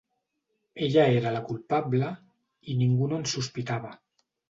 Ella era la culpable, i ningú no en sospitava.